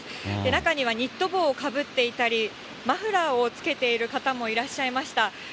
中にはニット帽をかぶっていたり、マフラーをつけている方もいらっしゃいました。